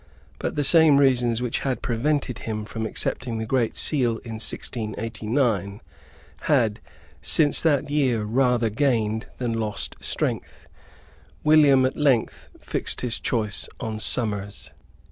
But the same reasons which had prevented him from accepting the Great Seal in 1689 had, since that year, rather gained than lost strength. William at length fixed his choice on Somers.